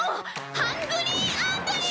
ハングリーアングリー！